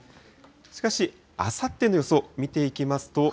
しかし、あさっての予想、見ていきますと。